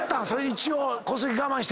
一応小杉我慢してるから。